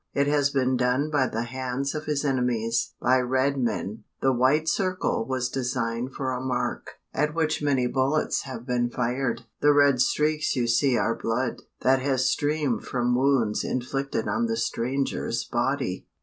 "It has been done by the hands of his enemies by red men. The white circle was designed for a mark, at which many bullets have been fired. The red streaks you see are blood, that has streamed from wounds inflicted on the stranger's body!